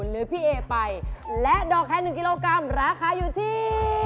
หรือพี่เอไปและดอกแค่๑กิโลกรัมราคาอยู่ที่